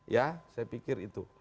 ya saya pikir itu